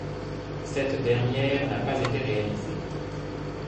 Cette dernière n’a pas été réalisée.